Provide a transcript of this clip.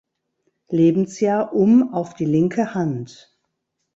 Lebensjahr um auf die linke Hand.